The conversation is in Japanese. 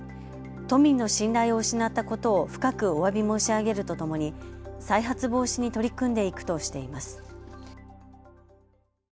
都民の信頼を失ったことを深くおわび申し上げるとともに再発防止に取り組んでいくとしています。